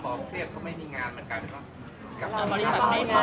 น้องไม่ค่อยมีน้องบอกว่าเครียบก็ไม่มีงาน